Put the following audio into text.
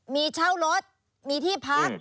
มีเช่ารถมีที่พัก